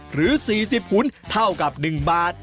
หรือ๔๐หุ่นเท่ากับ๑บาท